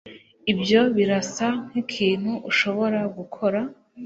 Ibyo birasa nkikintu ushobora gukora?